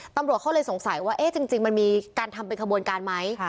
ตำรวจเขาเลยสงสัยว่าจริงมันมีการทำเป็นขบวนการไหม